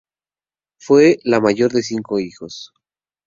Fue la mayor de cinco hijos.